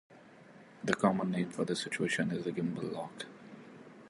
The common name for this situation is gimbal lock.